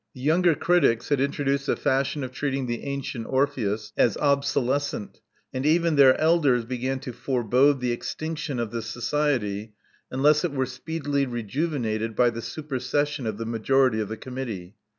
*' The younger critics had introduced a fashion of treating the Antient Orpheus as obsolescent ; and even their elders began to fore bode the extinction of the Society unless it were speedily rejuvenated by the supercession of the majority of the committee.